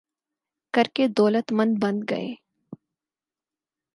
کر کے دولتمند بن گئے